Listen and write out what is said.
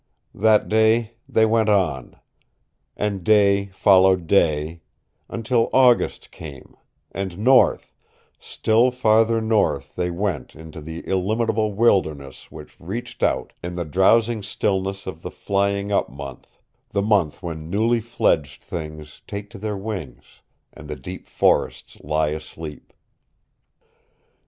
That day they went on; and day followed day, until August came, and north still farther north they went into the illimitable wilderness which reached out in the drowsing stillness of the Flying up Month the month when newly fledged things take to their wings, and the deep forests lie asleep.